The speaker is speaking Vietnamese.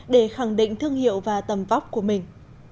để khẳng định thương hiệu và tầm vóc của mình